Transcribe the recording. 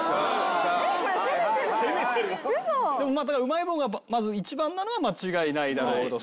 うまい棒がまず１番なのは間違いない。